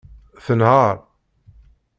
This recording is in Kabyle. Tenheṛ.